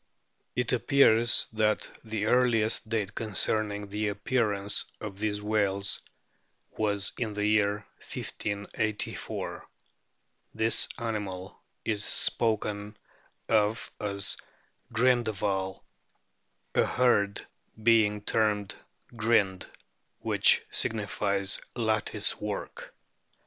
It appears that the earliest date concerning the appearance of these whales was in the year 1584. The animal is spoken of as " Grindehval," a herd being: termed "Grind/ which signifies lattice work.